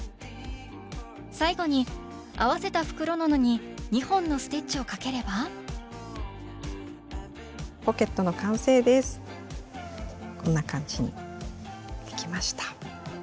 最後に合わせた袋布に２本のステッチをかければ⁉こんな感じにできました。